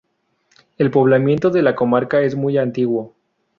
El poblamiento de la comarca es muy antiguo.